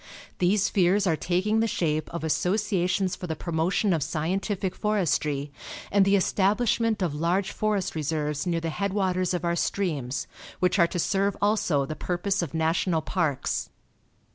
These fears are taking the shape of associations for the promotion of scientific forestry, and the establishment of large forest reserves near the headwaters of our streams, which are to serve also the purpose of national parks.